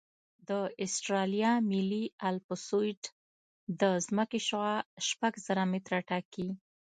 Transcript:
د اسټرالیا ملي الپسویډ د ځمکې شعاع شپږ زره متره ټاکي